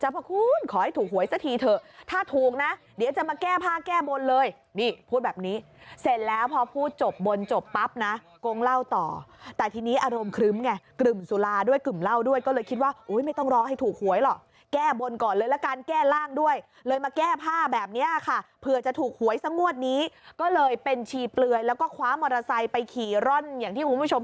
ปล่อยทะเบียนไหมปล่อยทะเบียนไหม